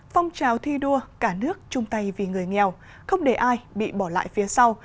phong trào thi đua cả nước chung tay vì người nghèo không để ai bị bỏ lại phía sau